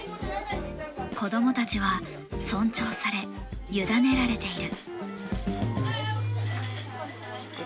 子供たちは尊重され、委ねられている。